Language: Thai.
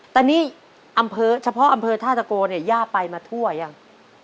แต่นี่อำเภอเฉพาะอำเภอท่าตะโกเนี่ยย่าไปมาทั่วยัง